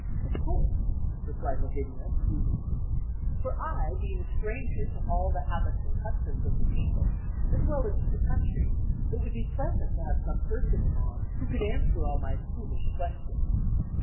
"Of course," replied Lavinia, coolly, "for I, being a stranger to all the habits and customs of the people, as well as to the country, it would be pleasant to have some person along who could answer all my foolish questions."